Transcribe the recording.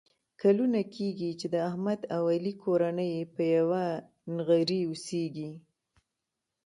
کلونه کېږي چې د احمد او علي کورنۍ په یوه نغري اوسېږي.